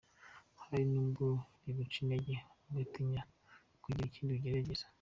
Hari n’ubwo biguca intege ugatinya kugira Ikindi ugerageza.